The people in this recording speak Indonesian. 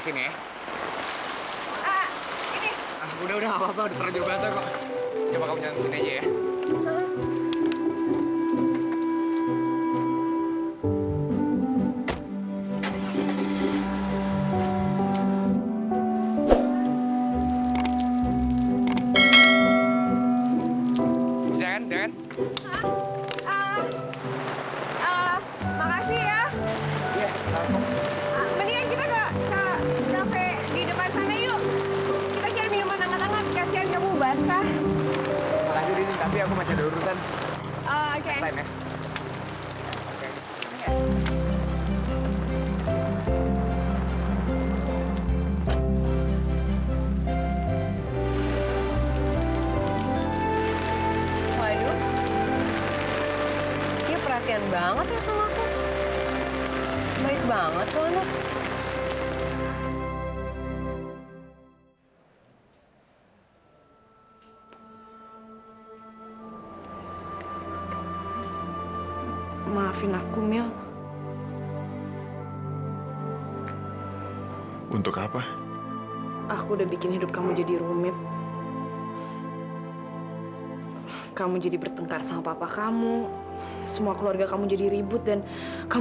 sampai jumpa di video selanjutnya